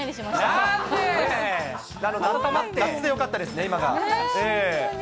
夏でよかったですね、今が。